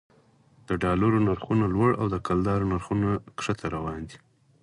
د ډالرو نرخونه لوړ او د کلدارو نرخونه ښکته روان دي